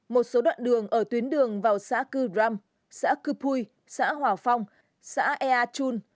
một số đoạn đường ở tuyến đường vào xã cư đram xã cư pui xã hòa phong xã ea chun